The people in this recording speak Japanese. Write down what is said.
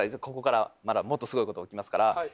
ここからまたもっとすごいこと起きますから。